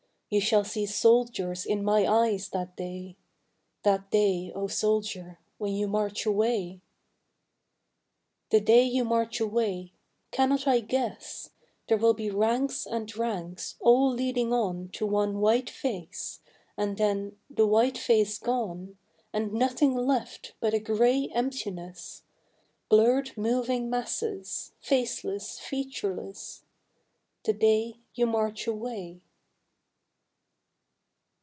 You shall see soldiers in my eyes that day That day, O soldier, when you march away. The day you march away cannot I guess? There will be ranks and ranks, all leading on To one white face, and then the white face gone, And nothing left but a gray emptiness Blurred moving masses, faceless, featureless The day you march away.